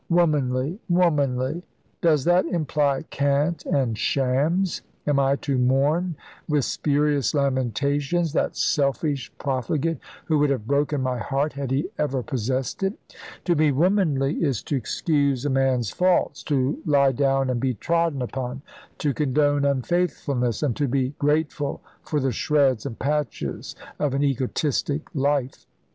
Womanly! womanly! does that imply cant and shams? Am I to mourn with spurious lamentations that selfish profligate, who would have broken my heart had he ever possessed it? To be womanly is to excuse a man's faults, to lie down and be trodden upon, to condone unfaithfulness, and to be grateful for the shreds and patches of an egotistic life.